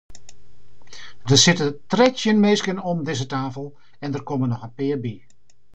Der sitte trettjin minsken om dizze tafel en der komme noch in pear by.